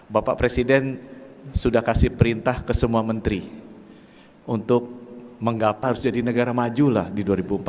bapak presiden sudah kasih perintah ke semua menteri untuk mengapa harus jadi negara maju lah di dua ribu empat belas